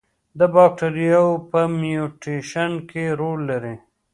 د باکتریاوو په میوټیشن کې رول لري.